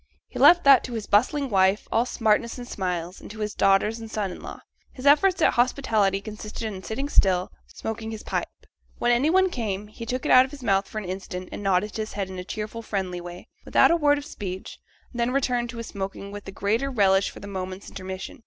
He left that to his bustling wife, all smartness and smiles, and to his daughters and son in law. His efforts at hospitality consisted in sitting still, smoking his pipe; when any one came, he took it out of his mouth for an instant, and nodded his head in a cheerful friendly way, without a word of speech; and then returned to his smoking with the greater relish for the moment's intermission.